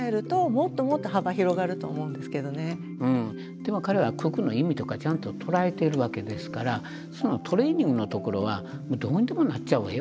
でも彼は九九の意味とかちゃんと捉えてるわけですからそのトレーニングのところはもうどうにでもなっちゃうわよ。